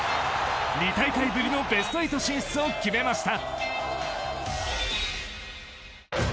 ２大会ぶりのベスト８進出を決めました。